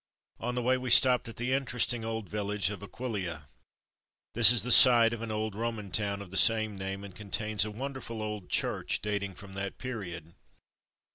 On the way we stopped at the interesting old village of AquiUa. This is the site of an old Roman town of the same name, and contains a wonderful old church dating from that period.